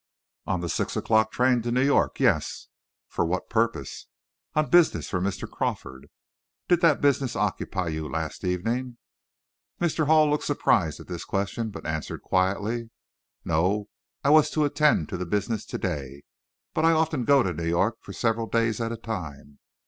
"On the six o'clock train to New York, yes." "For what purpose?" "On business for Mr. Crawford." "Did that business occupy you last evening?" Mr. Hall looked surprised at this question, but answered quietly "No; I was to attend to the business to day. But I often go to New York for several days at a time."